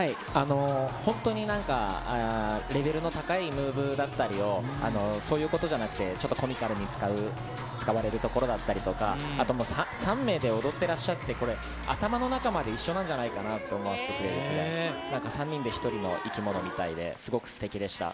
本当になんか、レベルの高いムーブだったりを、そういうことじゃなくて、ちょっとコミカルに使われるところだったりとか、あともう、３名で踊ってらっしゃって、これ、頭の中まで一緒なんじゃないかなと思わせてくれる、なんか３人で１人の生き物みたいで、すごくすてきでした。